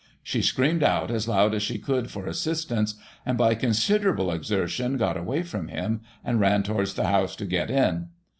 She screamed out as loud as she could for assistance, and, by considerable exertion, got away from him, cind rzin towards the house to get in.